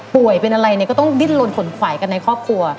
ป่วยเป็นอะไรเนี่ยก็ต้องดิ้นลนขนขวายกันในครอบครัว